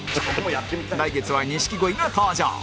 来月は錦鯉が登場